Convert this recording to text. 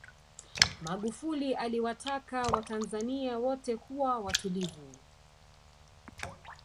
magufuli aliwataka watanzania wote kuwa watulivu